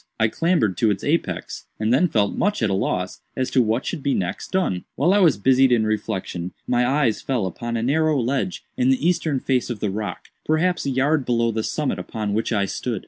I clambered to its apex, and then felt much at a loss as to what should be next done. "While I was busied in reflection, my eyes fell upon a narrow ledge in the eastern face of the rock, perhaps a yard below the summit upon which I stood.